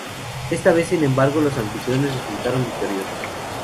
Esta vez, sin embargo, los anfitriones resultaron victoriosos.